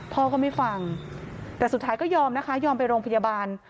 พ่อก็ไม่ฟังแต่สุดท้ายก็ยอมนะคะยอมไปโรงพยาบาล